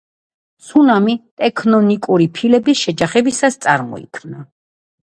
ცუნამი ტექტონიკური ფილების შეჯახებისას წარმოიქმნება